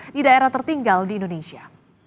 di daerah tertinggal di indonesia